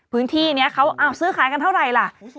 พื้นที่นี้เขาซื้อขายกันเท่าไหร่ล่ะ